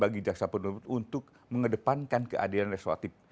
dan juga bagi jaksa penuntut untuk mengedepankan keadilan resotip